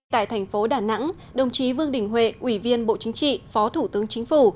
tại thành phố đà nẵng đồng chí vương đình huệ ủy viên bộ chính trị phó thủ tướng chính phủ